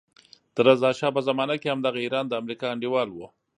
د رضا شا په زمانه کې همدغه ایران د امریکا انډیوال وو.